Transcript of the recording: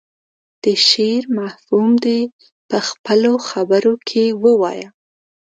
د شعر مفهوم دې په خپلو خبرو کې ووايي.